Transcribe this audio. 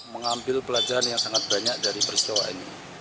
mengambil pelajaran yang sangat banyak dari peristiwa ini